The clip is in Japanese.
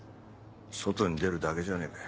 外に出るだけじゃねえかよ。